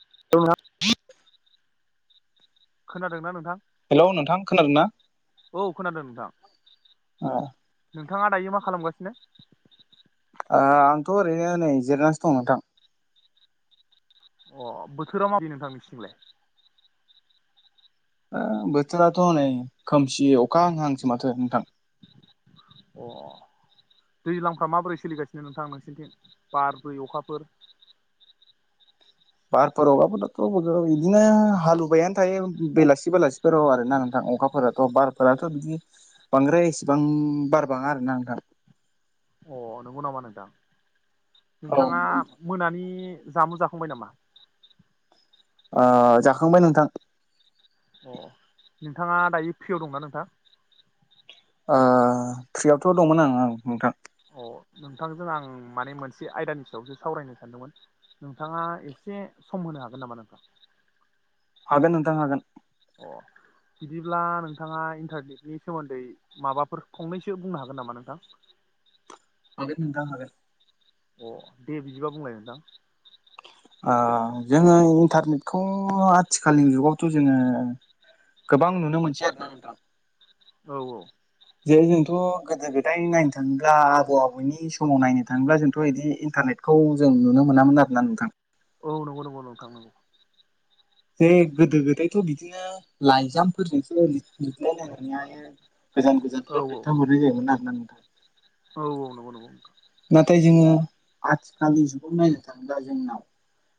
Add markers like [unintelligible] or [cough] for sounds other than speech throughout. [unintelligible] खोनादोंना नोंथां? हेलौ नोंथां खोनादों ना? औ खोनादों नोंथां। ओ नोंथाङा दायो मा खालामगासिनो? ओ आंथ' ओरैनो नै जिरनानैसो दं नोंथां। अ बोथोरा माबि नोंथांनिसिंलाय? ओ बोथोराथ' हनै खोमसि अखा हांहांसो माथो नोंथां। अ दैज्लांफ्रा माबोरै सोलिगासिनो नोंथां नोंसिनिथिं बार दै अखाफोर? बारफोर अखाफोराथ' इदिनो हालुबायानो थायो बेलासि बेलासिफोराव आरो ना नोंथां अखाफोराथ' बारफोराथ' बिदि बांद्राय इसेबां बारबाङा आरोना नोंथां। अ [unintelligible] औ नोंथाङा ओ मोनानि जामुं जाखांबाय नामा? ओ जाखांबाय नोंथां। अ नोंथाङा दायो फ्रियाव दंना नोंथां? ओ फ्रियावथ' दंमोन आं ओं नोंथां। अ नोंथांजों आं माने मोनसे आयदानि सायावसो सावरायनो सानदोंमोन नोंथाङा एसे सम होनो हागोन नामा नोंथां? हागोन नोंथां हागोन। अ बिदिब्ला नोंथाङा इन्टारनेटनि सोमोन्दै माबाफोर फंनैसो बुंनो हागोन नामा नोंथां। [unintelligible] अ दे बिदिबा बुंलाय नोंथां। ओ जोङो इन्टारनेटखौ आथिखालनि जुगावथ' जोङो गोबां नुनो मोनसै आरोना नोंथां। औ औ। जे जोंथ' गोदो गोदाय नायनो थाङोब्ला आबौ आबौनि समाव नायनो थाङोब्ला जोंथ' इदि इन्टारनेटखौ जों नुनो मोनामोन आरोना नोंथां। औ नंगौ नंगौ नोंथां नंगौ। जे गोदो गोदायथ' बिदिनो लाइजामफोरजोंसो लिदलिदलायलायनाय नैयो। गोजान औ गोजानफोराव दैथा हरनाय जायोमोना नोंथा औ औ नंगौ नंगौ नाथाय जोङो आथिखालनि जुगाव नायनो थाङोब्ला जोंनाव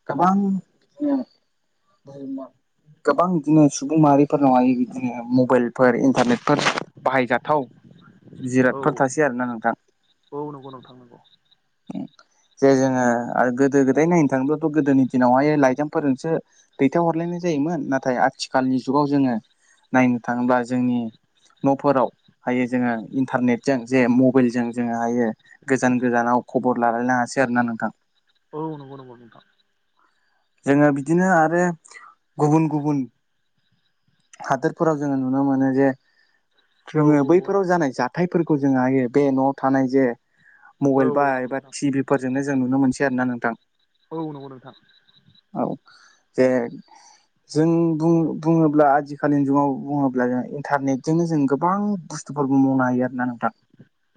गोबां बिदिनो गोबां बिदिनो सुबुं माहारिफोरनावहायो बिदिनो मबाइलफोर इन्टारनेट बाहायजाथाव औ जिरादफोर थासै आरोना नोंथां औ नंगौ नोंथां नंगौ जे जोङो आरो गोदो गोदाय नायनो थाङोबथ' गोदोनि दिनावहाय लाइजामफोरजोंसो दैथाय हरलायनाय जायोमोन नाथाय आथिखालनि जुगाव जोङो नायनो थाङोब्ला जोंनि न'फोराव हायो जोङो इन्टारनेटजों जे मबाइलजों जोङो हायो गोजान गोजानाव खबर लालायनो हासै आरो ना नोंथां औ नंगौ नंगौ नोंथां जोङो बिदिनो आरो गुबुन गुबुन हादोरफोराव जोङो नुनो मोनो जे औ जोङो बैफोराव जानाय जा थायफोरखौ जों हायो बे न'आव थानाय जे औ मबाइल बा नंगौ एबा नोंथां टिभि फोरजोंनो जों नुनो मोनसिग ना नोंथां औ नंगौ नोंथां औ जे जों बुङोब्ला आजिखालिनि जुगाव बुङोब्ला जों इन्टारनेटजोंनो जों गोबां बुस्थुफोरबो मावनो हायो आरोना नोंथां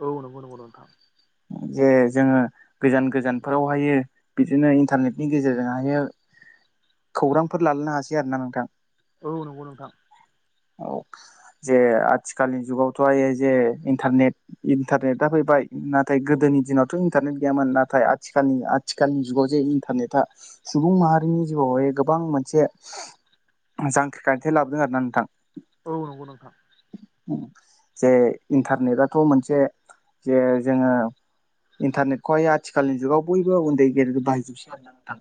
औ नंगौ नंगौ नोंथां जे जोङो गोजान गोजानफोरावहायो बिदिनो इन्टारनेटनि गेजेरजोंहायो खौरांफोर लालायनो हासै आरोना नोंथां औ नंगौ नोंथां औ जे आथिखालनि जुगावथ' आइ जे इन्टारनेट इन्टारनेटआ फैबाय नाथाय गोदोनि दिनावथ' इन्टारनेट गैयामोन नाथाय आथिखालनि आथिखालनि जुगाव जे इन्टारनेटआ सुबुं माहारिनि जिउआवहाय गोबां मोनसे जांख्रिखथाय लाबोदों आरो ना नोंथां औ नंगौ नोंथां जे इन्टारनेटथ' मोनसे जे जोङो इन्टारनेटखौहाय आथिखालनि जुगाव बयबो उन्दै गेदेर बाहायजोबसै आरो ना नोंथां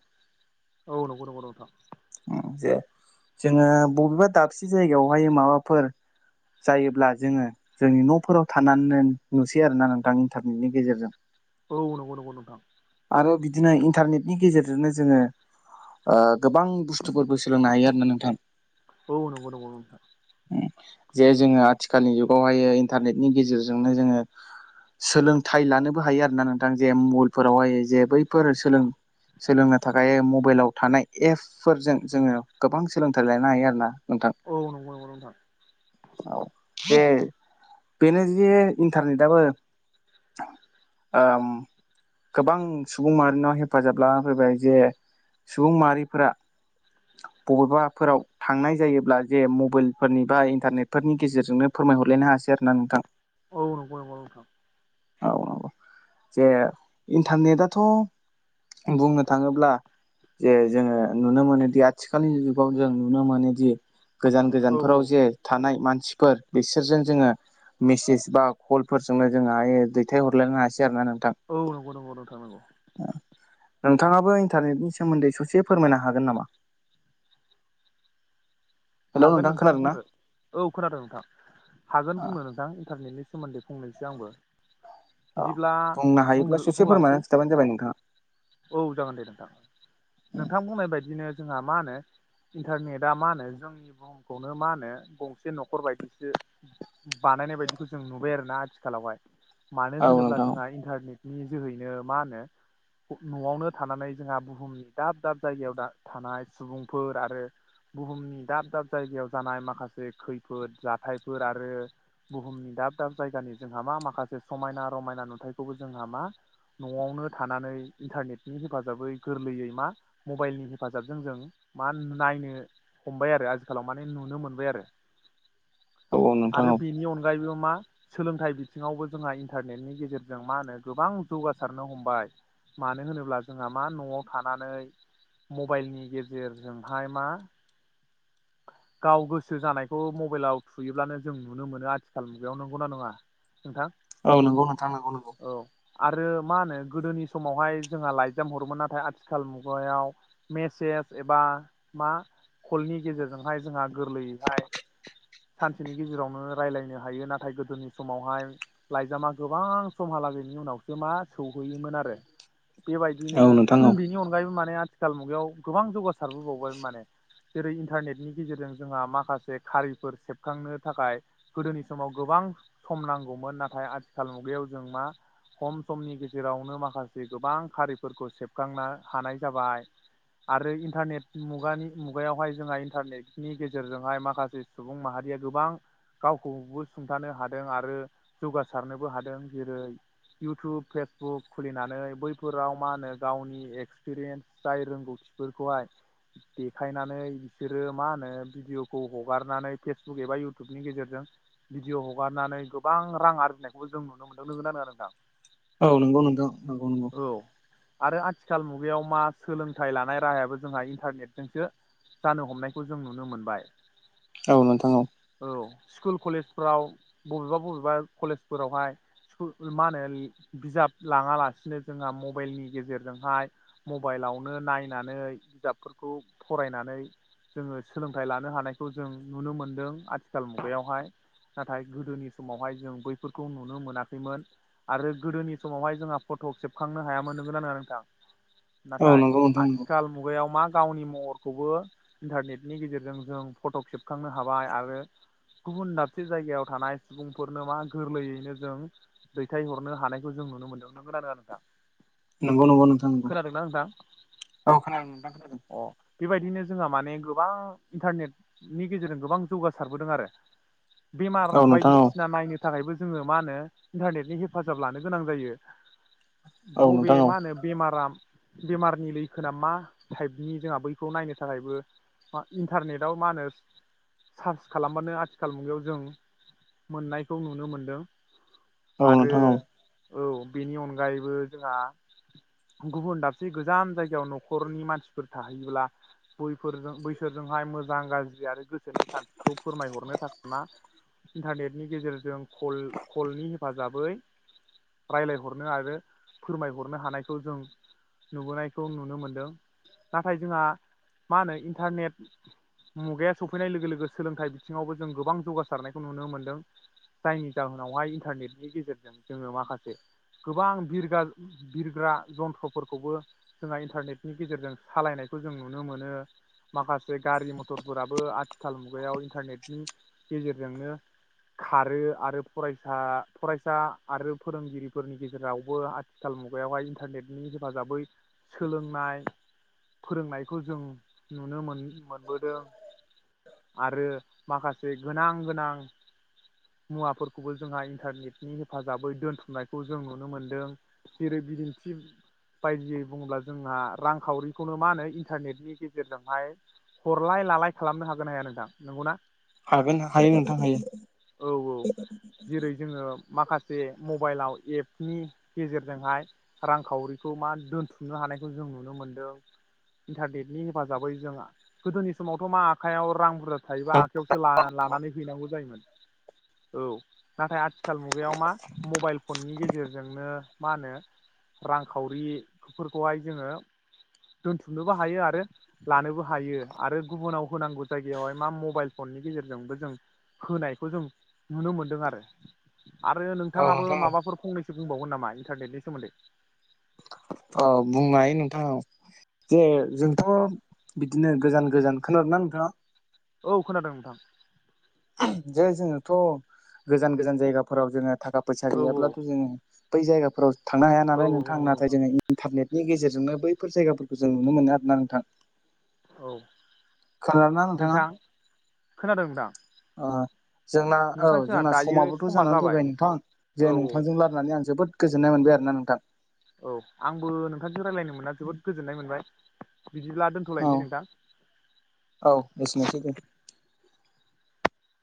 औ नंगौ नंगौ नोंथां जे जोङो बबेबा दाबसे जायगायावहाय माबाफोर जायोब्ला जोङो जोंनि न'फोराव थानानै नुसै आरोना नोंथां इन्टारनेटनि गेजेरजों औ नंगौ नंगौ नोंथां आरो बिदिनो इन्टारनेटनि गेजेरजोंनो जोङो गोबां बुस्थुफोरबो सोलोंनो हायो आरो ना नोंथां औ नंगौ नंगौ नोंथां जे जोङो आथिखालनि जुगावहाय इन्टारनेटनि गेजेरजोंनो जोङो सोलोंथाइ लानोबो हायो आरो ना नोंथां जे मबाइलफोरावहाय जे बैफोर सों सोलोंनो थाखाय मबाइलाव थानाय एपफोरजों जोङो गोबां सोलोंथाइ लानो हायो आरो ना नोंथां औ औ औ जे बेनो जे इन्टारनेटआबो गोबां सुबुं माहारिनाव हेफाजाब लाना फैबाय जे सुबुं माहारिफोरा बबेबाफोराव थांनाय जायोब्ला जे मबाइलफोरनि बा इन्टारनेटफोरनि गेजेरजोंनो फोरमायहरलायनो हासै आरो ना नोंथां औ नंगौ नंगौ नोंथां औ औ जे इन्टारनेटआथ' बुंनो थाङोब्ला जे जोङो नुनो मोनोदि आथिखालनि जुगाव जों नुनो मोनोदि गोजान गोजानफोराव जे थानाय मानसि बिसोरजों जोङो मेसेज बा कलफोरजोंनो जों हायो दैथाय हरलायनो हासिग औ नंगौ नंगौ नोंथां नंगौ नोंथाङा बै इन्टारनेटनि सोमोन्दै ससे फोरमायनो हागोन नामा? हेलौ हागोन नोंथां खोनादों ना बुंनो औ खोनादों नोंथां हागोन औ बुंनो नोंथां इन्टारनेटनि सोमोन्दै बुंंनोसै आंबो बिदिब्ला बुंनो हायोब्ला ससे बुंलांसै फोरमायनानै खिथाबानो जाबाय नोंथाङा औ जागोन दे नोंथां नोंथां बुंनाय बायदिनो जोंहा मा होनो इन्टारनेटा मा होनो जोंनि जोंनि बुहुमखौनो मा होनो गंसे न'खर बायदिसो बानायनाय बायदिखौ जों नुबाय आरो ना आथिखालावहाय मानो औ होनोब्ला नोंथां जोंहा इन्टारनेट नि जोहैनो मा होनो न'आवनो थानानै जोंहा बुहुमनि दाब दाब जायगायाव थानाय सुबुंफोर आरो बुहुमनि दाब दाब जायगायाव जानाय माखासे खैफोद जाथायफोर आरो बुहुमनि दाब दाब जायगानि जोंहा मा माखासे समायना रमायना नुथायखौबो जोंहा मा न'आवनो थानानै इन्टारनेटनि हेफाजाबै गोरलैयै मा मबाइलनि हेफाजाबजों जों मा नायनो हमबाय आरो आजिखालाव माने नुनो मोनबाय आरो औ आरो बेनि अनगायैबो मा सोलोंथाइ बिथिङावबो जोंहा इन्टारनेटनि गेजेरजों मा होनो गोबां जौगासारनो हमबाय मानो होनोब्ला जोंहा मा न'आव थानानै मबाइलनि गेजेरजोंहाय मा गाव गोसो जानायखौ मबाइलाव थुयोब्लानो जों नुनो मोनो आथिखाल मुगायाव नंगौना नङा नोंथां औ नंगौ नोंथां नंगौ नोंगौ औ आरो मा होनो गोदोनि समावहाय जोंहा लाइजाम हरोमोन नाथाय आथिखाल मुगायाव मेसेज एबा मा कलनि गेजेरजोंहाय जोंहा गोरलैयैहाय सानसेनि गेजेरावनो रायलायनो हायो नाथाय गोदोनि समावहाय लाइजामा गोबां समहालागैनि उनावसो मा सौहैयोमोन आरो बेबायदिनो औ बेनि अनगायैबो माने आथिखाल मुगायाव गोबां जौगासारबोबावबाय माने जेरै इन्टारनेटनि गेजेरजों जोंहा माखासे खारिफोर सेबखांनो थाखाय गोदोनि समाव गोबां सम नांगौमोन नाथाय आथिखाल मुगायाव जों मा खम समनि गेजेरावनो माखासे गोबां खारिफोरखौ सेबखांनो हानाय जाबाय आरो इन्टारनेट मुगानि मुगायावहाय जोंहा इन्टारनेटनि गेजेरजोंहाय माखासे सुबुं माहारिया गोबां गावखौबो सुंथानो हादों आरो जौगासारनोबो हादों जेरै इउटुब फेसबुक खुलिनानै बैफोराव मा होनो गावनि एक्सपिरियेन्स जाय रोंगौथिफोरखौहाय देखायनानै बिसोरो मा होनो भिडिअखौ हगारनानै फेसबुक एबा इउटुबनि गेजेरजों भिडिअ हगारनानै गोबां रां आरजिनायखौबो जों नुनो मोन्दों नंगौना नङा नोंथां औ नंगौ नोंथां नंगौ नंगौ औ आरो आथिखाल मुगायाव मा सोलोंथाइ लानाय राहायाबो जोंहा इन्टारनेट जोंसो जानो हमनायखौ जों नुनो मोनबाय औ नोंथां औ स्कुल कलेजफोराव बबेबा बबेबा कलेजफोरावहाय सुल मा होनो बिजाब लाङालासिनो जोंहा मबाइलनि गेजेरजोंहाय मबाइलावनो नायनानै बिजाबफोर खौ फरायनानै जोङो सोलोंथाइ लानो हानायखौ जों नुनो मोनदों आथिखाल मुगायावहाय नाथाय गोदोनि समावहाय जों बैफोरखौ नुनो मोनाखैमोन आरो गोदोनि समावहाय जोंहा फट' खेबखांनो हायामोन नोंगोना नङा नोंथां औ नाथाय नंगौ नोंथां नंगौ आथिखाल मुगायाव मा गावनि महरखौबो इन्टारनेटनि गेजेरजों जों फट' खेबखांनो हाबाय आरो गुबुन दाबसे जायगायाव थानाय सुबुंफोरनो मा गोरलैयैनो जों दैथायहरनो हानायखौ जों नुनो मोनदों नोंगौना नंङा नोंथां नंगौ नंगौ नोंथां नंगौ खोनादोंना नोंथां औ खोनादों नोंथां खोनादों अ बेबायदिनो जोंहा माने गोबां इन्टारनेटनि गेजेरजों गोबां जौगासारबोदों आरो बेमार औ नोंथां औ बायदिसिना नायनो थाखायबो जोङो मा होनो इन्टारनेटनि हेफाजाब लानो गोनां जायो औ बबे नोंथां औ मा होनो बेमारा बेमारनि लैखोना मा थाइब बिनि जोंहा बैखौ नायनो थाखायबो इन्टारनेटाव मा होनो सार्च खालामबानो आथिखाल मुगायाव जों मोननायखौ नुनो मोनदों औ आरो नोंथां औ औ बेनि अनगायैबो जोंहा गुबुन दाबसे गोजान जायगायाव न'खरनि मानसि फोर थाहैयोब्ला बैफोरजों बैसोरजोंहाय मोजां गाज्रि आरो गोसोनि सानस्रिखौ फोरमायहरनो थाखाय मा इन्टारनेटनि गेजेरजों खल-खलनि हेफाजाबै रायलायहरनो आरो फोरमायहरनो हानायखौ जों नुबोनायखौ नुनो मोनदों। नाथाय जोंहा मा होनो इन्टारनेट मुगाया सफैनाय लोगो लोगो सोलोंथाइ बिथिङावबो जों गोबां जौगासारनायखौ नुनो मोनदों। जायनि जाहोनावहाय इन्टारनेटनि गेजेरजों जोङो माखासे गोबां बिरगा बिरग्रा जन्थ्रफोरखौबो जोंहा इन्टारनेटनि गेजेरजों सालायनायखौ जों नुनो मोनो। माखासे गारि मथरफोराबो आथिखाल मुगायाव इन्टारनेटनि गेजेरजोंनो खारो आरो फरायसा, फरायसा आरो फोरोंगिरिफोरनि गेजेरावबो आथिखाल मुगायावहाय इन्टारनेटनि हेफाजाबै सोलोंनाय फोरोंनायखौ जों नुनो मोन मोनबोदों आरो माखासे गोनां गोनां मुवाफोरखौबो जोंहा इन्टारनेटनि हेफाजाबै दोनथुमनायखौ जों नुनो मोनदों। जेरै बिदिन्थि बायदियै बुङोब्ला जोंहा रां खावरिखौनो मा होनो इन्टारनेटनि गेजेरजोंहाय हरलाय-लालाय खालामनो हागोनना हाया नोंथां नोंगौ ना? हागोन, हायो नोंथां औ औ हायो। जेरै जोङो माखासे मबाइलाव एपनि गेजेरजोंहाय रां खावरिखौ मा दोनथुमनो हानायखौ जों नु नो मोनदों। इटारनेनि हेफाजाबै जोंहा गोदोनि समावथ' मा आखायाव रां बुरजा थायोबा आखायावसो लानानै हैनांगौ जायोमोन। औ नाथाय आथिखाल मुगायाव मा मबाइल फननि गेजेरजोंनो मा होनो रां-खावरिफोरखौहाय जोङो दोनथुमनोबो हायो आरो लानोबो हायो आरो गुबुनाव होनांगौ जायगायावहाय मा मबाइल फननि गेजेरजोंबो जों होनायखौ जों नुनो मोनदों आरो। आरो औ नोंथाङाबो नोंथां औ माबाफोर फंनैसो बुंबावगोन नामा इन्टारनेटनि सोमोन्दै? औ बुंनो हायो नोंथाङ औ जे जोंथ' बिदिनो गोजान गोजान, खोनादोंना नोंथाङा? औ खोनादों नोंथां। जे जोङोथ' गोजान गोजान जायगाफोराव जोङो थाखा फैसा औ औ गैयाब्लाथ' जों बै जायगाफोराव थांनो हाया औ नालाय नोंथां। नंगौ नाथाय जोङो इन्टारनेट नि गेजेरजोंनो बैफोर जायगाफोरखौ जों नुनो मोनो आरो ना नोंथां। औ खोनादोंना नोंथाङा नोंथां, खोनादों दां? अ जोंना औ जोंना समाबोथ' समा जानानै जाबाय फैबाय नोंथां औ जे नोंथांजों रायलायनानै आं जोबोद गोजोन्नाय मोनबाय आरोना नोंथां। औ आंबो नोंथांजों लायरायनो मोनना जोबोद गोजोननाय मोनबाय। बिदिब्ला औ दोन्थ'लायनोसै औ नोंथां। एसेनोसै दे